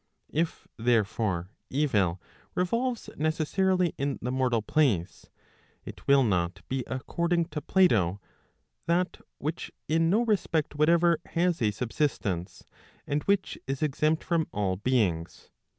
If therefore, evil revolves necessarily in the mortal place, it will not be according to Plato, that which in no respect whatever has a subsistence, and which is exempt from all beings.